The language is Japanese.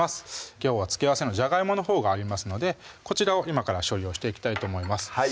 きょうは付け合わせのじゃがいものほうがありますのでこちらを今から処理をしていきたいと思います